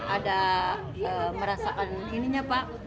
ada merasaan ininya pak